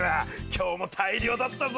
今日も大漁だったぞ！